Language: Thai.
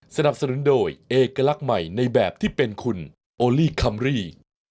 สนับสนุนโดยเอกลักษณ์ใหม่ในแบบที่เป็นคุณโอลี่คัมรี่